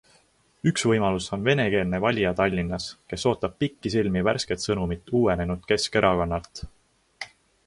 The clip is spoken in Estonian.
Üks võimalus on venekeelne valija Tallinnas, kes ootab pikisilmi värsket sõnumit uuenenud Keskerakonnalt.